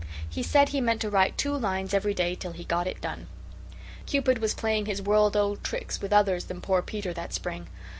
He said he meant to write two lines every day till he got it done. Cupid was playing his world old tricks with others than poor Peter that spring.